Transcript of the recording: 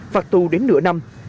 phạt tù đến nửa năm